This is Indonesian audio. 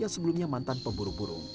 sebelumnya mantan pemburu burung